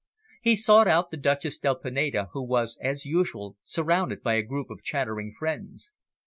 He sought out the Duchess del Pineda, who was, as usual, surrounded by a group of chattering friends.